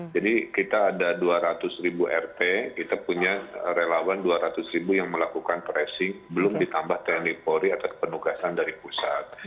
jadi kita ada dua ratus ribu rt kita punya relawan dua ratus ribu yang melakukan tracing belum ditambah tenipori atau kepenugasan dari pusat